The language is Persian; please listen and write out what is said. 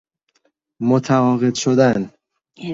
متعاقد شدن